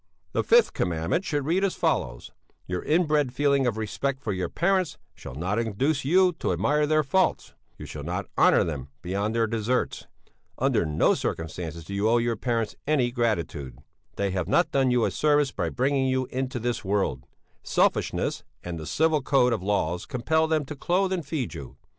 "'The fifth Commandment should read as follows: "Your inbred feeling of respect for your parents shall not induce you to admire their faults; you shall not honour them beyond their deserts; under no circumstances do you owe your parents any gratitude; they have not done you a service by bringing you into this world; selfishness and the civil code of laws compel them to clothe and feed you.